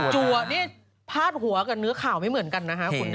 จัวนี่พาดหัวกับเนื้อข่าวไม่เหมือนกันนะฮะ